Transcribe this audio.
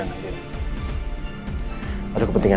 coba ada tempel disini